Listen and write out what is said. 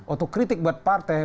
untuk kritik buat partai